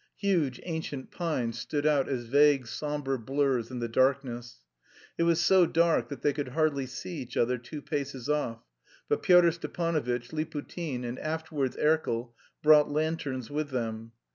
Huge ancient pines stood out as vague sombre blurs in the darkness. It was so dark that they could hardly see each other two paces off, but Pyotr Stepanovitch, Liputin, and afterwards Erkel, brought lanterns with them.